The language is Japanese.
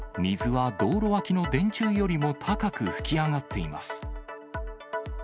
水は道路脇の電柱よりも高く噴き上がっています。